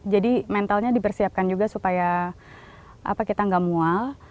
jadi mentalnya dipersiapkan juga supaya kita nggak mual